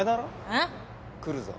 えっ？来るぞ。